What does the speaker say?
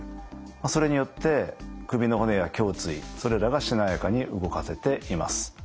それによって首の骨や胸椎それらがしなやかに動かせています。